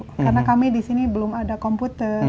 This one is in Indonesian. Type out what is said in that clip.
karena kami di sini belum ada komputer